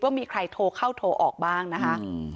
มีใครโทรเข้าโทรออกบ้างนะคะ